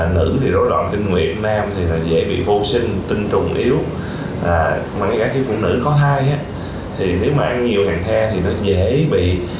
nếu ăn nhiều hàn the thì dễ bị